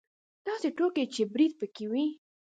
داسې ټوکې چې برید پکې وي.